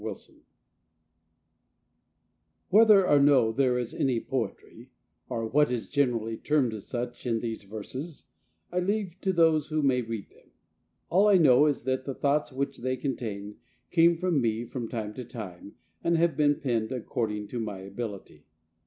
(greeting Whether or no there is any poetry, or what is gen¬ erally termed as such, in these verses, I leave to those who may read them. All I know is that the thoughts which they contain came to me from time to time, and have been penned according to my ability.